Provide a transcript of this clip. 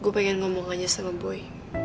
gue pengen ngomong aja sama boy